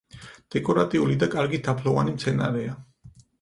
დეკორატიული და კარგი თაფლოვანი მცენარეა.